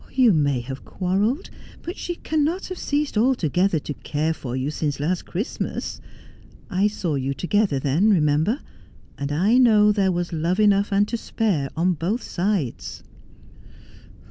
You may have quarrelled, but she cannot have ceased altogether to care for you since last Christmas. I saw you together then, remember, and I know there was love enough and to spare on both sides.'